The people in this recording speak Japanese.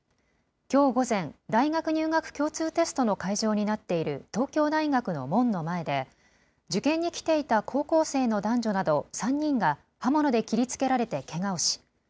きょう午前、大学入学共通テストの会場になっている東京大学の門の前で受験に来ていた高校生の男女など３人が刃物で切りつけられてけがをし